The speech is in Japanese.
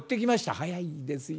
早いんですよ。